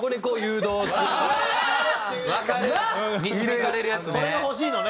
導かれるやつね。